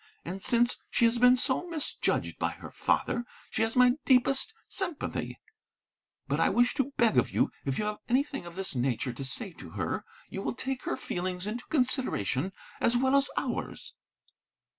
And, since she has been so misjudged by her father, she has my deepest sympathy. But I wish to beg of you, if you have anything of this nature to say to her, you will take her feelings into consideration as well as ours."